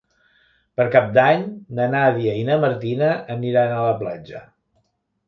Per Cap d'Any na Nàdia i na Martina aniran a la platja.